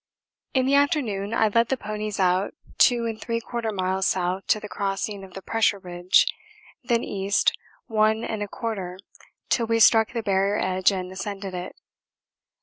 In the afternoon I led the ponies out 2 3/4 miles south to the crossing of the pressure ridge, then east 1 1/4 till we struck the barrier edge and ascended it.